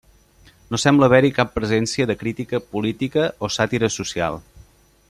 No sembla haver-hi cap presència de crítica política o sàtira social.